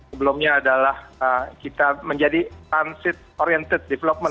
sebelumnya adalah kita menjadi transit oriented development gitu ya